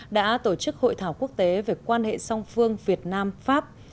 đã tổ chức hội thảo quốc tế về quan hệ song phương việt nam pháp